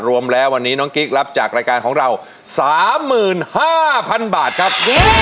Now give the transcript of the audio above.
รวมแล้ววันนี้น้องกิ๊กรับจากรายการของเรา๓๕๐๐๐บาทครับ